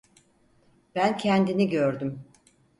Ben kendini gördüm.